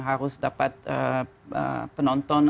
harus dapat penonton